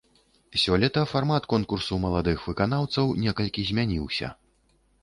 Сёлета фармат конкурсу маладых выканаўцаў некалькі змяніўся.